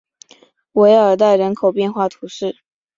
韦尔代人口变化图示